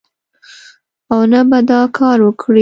او نه به دا کار وکړي